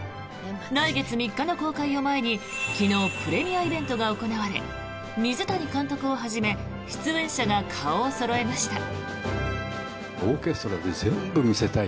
来月３日の公開を前に昨日、プレミアイベントが行われ水谷監督をはじめ出演者が顔をそろえました。